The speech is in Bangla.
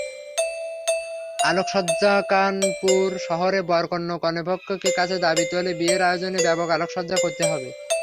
আলোকসজ্জাকানপুর শহরে বরপক্ষ কনেপক্ষের কাছে দাবি তোলে, বিয়ের আয়োজনে ব্যাপক আলোকসজ্জা করতে হবে।